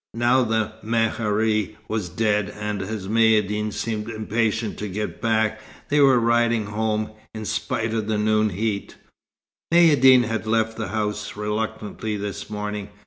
Now the mehari was dead, and as Maïeddine seemed impatient to get back, they were riding home, in spite of the noon heat. Maïeddine had left the house reluctantly this morning.